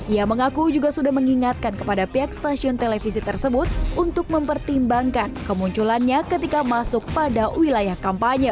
ia mengaku juga sudah mengingatkan kepada pihak stasiun televisi tersebut untuk mempertimbangkan kemunculannya ketika masuk pada wilayah kampanye